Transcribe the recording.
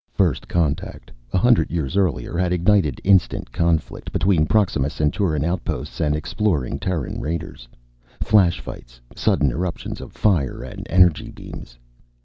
First contact, a hundred years earlier, had ignited instant conflict between Proxima Centauran outposts and exploring Terran raiders. Flash fights, sudden eruptions of fire and energy beams.